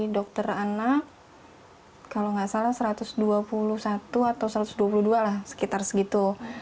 dokter anak kalau nggak salah satu ratus dua puluh satu atau satu ratus dua puluh dua lah sekitar segitu